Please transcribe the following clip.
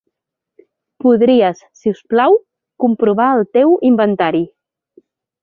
Podries, si us plau, comprovar el teu inventari.